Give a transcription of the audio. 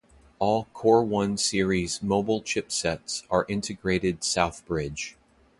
All Core I series mobile chipsets are integrated south bridge.